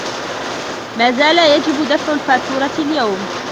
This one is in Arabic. مازال يجب دفع الفاتورة اليوم.